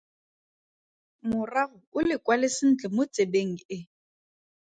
Morago o le kwale sentle mo tsebeng e.